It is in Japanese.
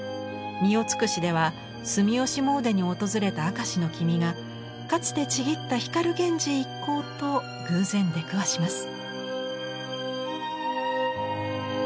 「澪標」では住吉詣に訪れた明石の君がかつて契った光源氏一行と偶然出くわします。